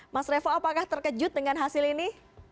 mas revo apakah terkejut dengan hasil ini